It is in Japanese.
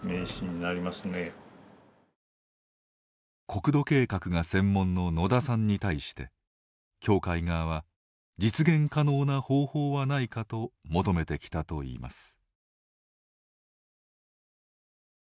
国土計画が専門の野田さんに対して教会側は実現可能な方法はないかと求めてきたといいます。